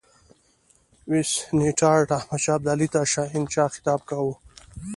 وینسیټارټ احمدشاه ابدالي ته شهنشاه خطاب کاوه.